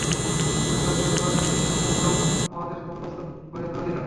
Hunger project বাংলাদেশের তিনটি স্তম্ভ আমাদের সামনে বাস্তব হয়ে ধরা দিল।